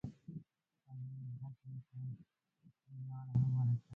ثانوي زده کړو ته یې لار هواره کړه.